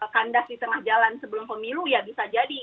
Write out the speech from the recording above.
kandas di tengah jalan sebelum pemilu ya bisa jadi